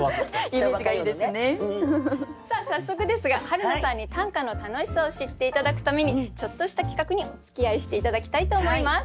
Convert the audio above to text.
さあ早速ですがはるなさんに短歌の楽しさを知って頂くためにちょっとした企画におつきあいして頂きたいと思います。